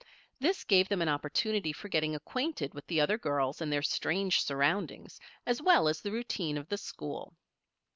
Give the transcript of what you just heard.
This gave them an opportunity for getting acquainted with the other girls and their strange surroundings, as well as the routine of the school.